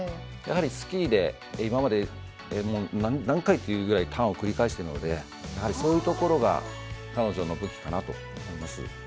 やはりスキーで、今まで何回というくらいターンを繰り返しているのでそういうところが彼女の武器かなと思います。